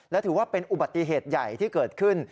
และถือว่าเป็นอุบัติเหตุใหญ่ที่เกิดขึ้น